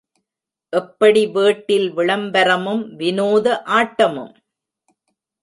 எப்படி வேட்டில் விளம்பரமும் வினோத ஆட்டமும்?